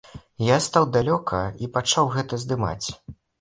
Я стаў далёка і пачаў гэта здымаць.